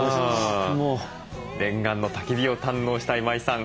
念願のたき火を堪能した今井さん。